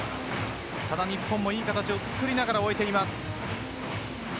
ただ、日本もいい形をつくりながら終えています。